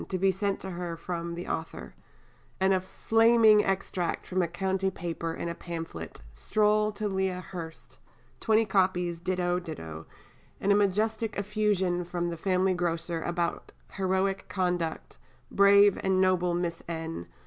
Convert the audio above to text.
to be sent to her "from the author," and a flaming extract from a County paper in a pamphlet, Stroll to Lea Hurst, 20 copies ditto, ditto, and a majestic effusion from the family grocer about "heroic conduct," "brave and noble Miss N.